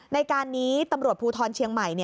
ในการนี้ตำรวจภูทรเชียงใหม่